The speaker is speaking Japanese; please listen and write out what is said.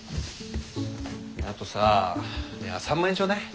ねえあとさ３万円ちょうだい。